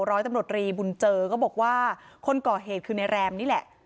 ร้อยตำรวจรีบุญเจอก็บอกว่าคนก่อเหตุคือในแรมนี่แหละ